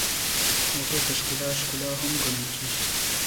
موټر د ښار ښکلا هم ګڼل کېږي.